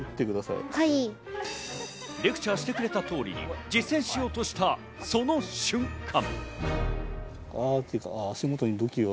レクチャーしてくれたとおりに実践しようとしたその瞬間。